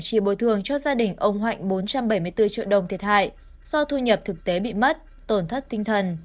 chỉ bồi thường cho gia đình ông hạnh bốn trăm bảy mươi bốn triệu đồng thiệt hại do thu nhập thực tế bị mất tổn thất tinh thần